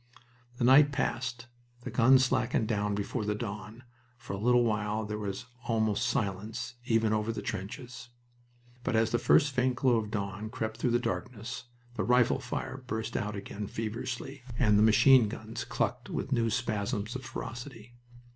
The night passed. The guns slackened down before the dawn. For a little while there was almost silence, even over the trenches. But as the first faint glow of dawn crept through the darkness the rifle fire burst out again feverishly, and the machine guns clucked with new spasms of ferocity.